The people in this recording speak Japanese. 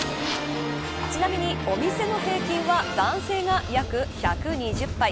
ちなみに、お店の平均は男性が約１２０杯。